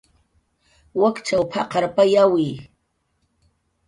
"Wakchaw p""aqarpayawi "